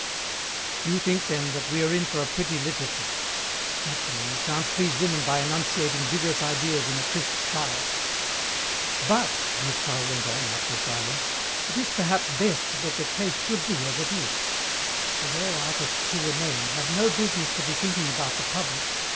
"You think, then, that we are in for a pretty literature. Naturally you can't please women by enunciating vigorous ideas in a crisp style." "But," Durtal went on, after a silence, "it is perhaps best that the case should be as it is. The rare artists who remain have no business to be thinking about the public.